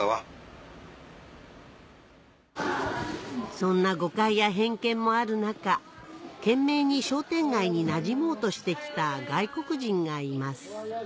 そんな誤解や偏見もある中懸命に商店街になじもうとして来た外国人がいます